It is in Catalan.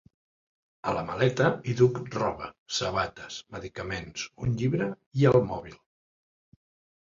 A la maleta hi duc roba, sabates, medicaments, un llibre i el mòbil!